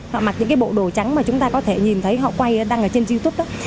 họ mặc những cái bộ đồ trắng mà chúng ta có thể nhìn thấy họ quay đăng ở trên youtube đó